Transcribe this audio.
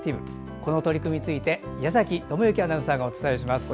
この取り組みについて矢崎智之アナウンサーがお伝えします。